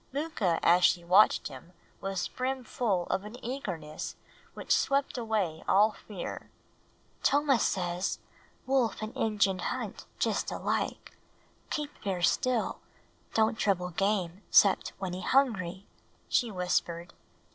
Mooka as she watched him was brim full of an eagerness which swept away all fear. "Tomah says, wolf and Injun hunt just alike; keep ver' still; don't trouble game 'cept when he hungry," she whispered.